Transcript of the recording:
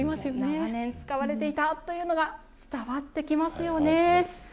長年使われていたというのが伝わってきますよね。